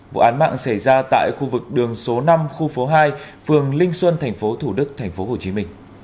vụ án mạng xảy ra tại khu vực đường số năm khu phố hai phường linh xuân tp thủ đức tp hcm